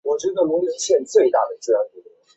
埃尔利海滩是大堡礁观光的门户之一。